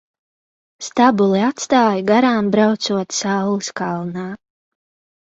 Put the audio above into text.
Stabuli atstāju garām braucot saules kalnā.